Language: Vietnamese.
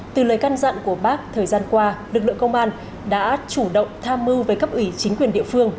từ lời căn dặn của bác thời gian qua lực lượng công an đã chủ động tham mưu với cấp ủy chính quyền địa phương